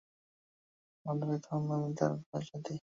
তিনি আমার সদালীলাময় আদরের ধন, আমি তাঁর খেলার সাথী।